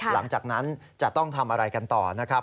หลังจากนั้นจะต้องทำอะไรกันต่อนะครับ